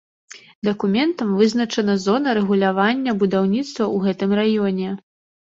Дакументам вызначана зона рэгулявання будаўніцтва ў гэтым раёне.